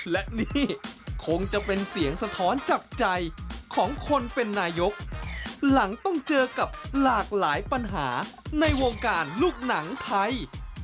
และนี่คงจะเป็นเสียงสะท้อนจับใจของคนเป็นนายกหลังต้องเจอกับหลากหลายปัญหาในวงการลูกหนังไทย